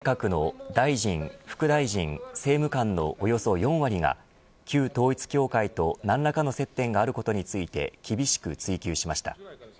立憲民主党の柚木議員は第２次岸田改造内閣の大臣、副大臣、政務官のおよそ４割が旧統一教会と何らかの接点があることについて厳しく追及しました。